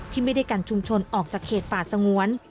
ที่ไม่ได้กันชุมชนออกจากเขตป่าสงวน